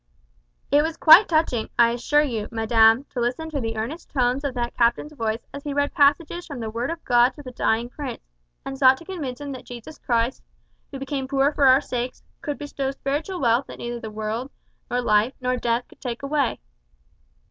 It was quite touching, I assure you, madam, to listen to the earnest tones of that captain's voice as he read passages from the Word of God to the dying prince, and sought to convince him that Jesus Christ, who became poor for our sakes, could bestow spiritual wealth that neither the world, nor life, nor death could take away.